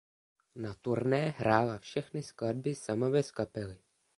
Na turné hrála všechny skladby sama bez kapely.